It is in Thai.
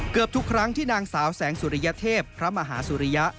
เกือบทุกครั้งที่นางสาวแสงสุริยเทพพระมหาสุริยะ